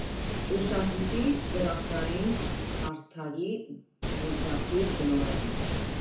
Ուշահիդի ծրագրային հարթակի գործադիր տնօրեն։